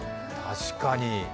確かに。